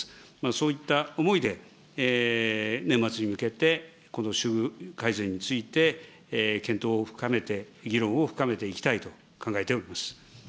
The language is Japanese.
そういった思いで、年末に向けて、この処遇改善について、検討を深めて、議論を深めていきたいと考えております。